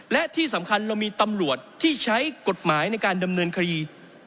และที่สำคัญเรามีตำรวจที่ใช้กฎหมายในการดำเนินคดี